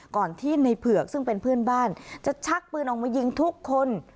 ก่อนที่ในเผือกซึ่งเป็นเพื่อนบ้านจะชักปืนออกมายิงทุกคน